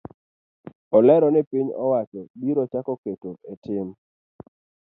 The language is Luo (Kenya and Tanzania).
Olero ni piny owacho biro chako keto etim